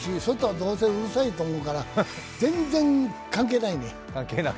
どうせうるさいと思うから全然関係ないね。